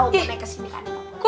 gue naik kesini kan